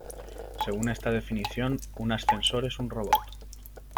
Según esta definición, un ascensor es un robot.